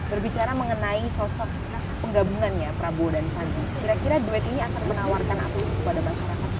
berbicara mengenai sosok penggabungannya prabowo dan sadiq kira kira duit ini akan menawarkan apa sih kepada masyarakat